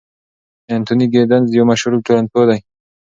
انتوني ګیدنز یو مشهور ټولنپوه دی.